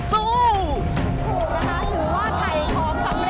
ถือว่าไถของสำเร็จเลย